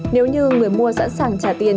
nếu như người mua sẵn sàng trả tiền